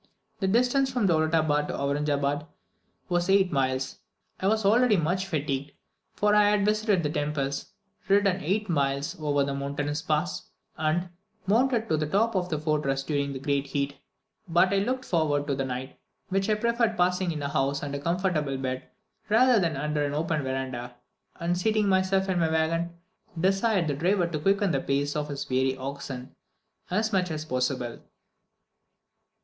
The distance from Dowlutabad to Auranjabad was eight miles. I was already much fatigued, for I had visited the temples, ridden eight miles over the mountain pass, and mounted to the top of the fortress during the greatest heat; but I looked forward to the night, which I preferred passing in a house and a comfortable bed, rather than under an open verandah; and, seating myself in my waggon, desired the driver to quicken the pace of his weary oxen as much as possible.